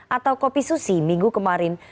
atau kopi susi minggu kemarin